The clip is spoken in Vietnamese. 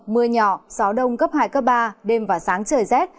mưa nhỏ gió đông cấp hai cấp ba đêm và sáng trời rét